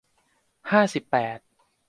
ห้าสิบแปด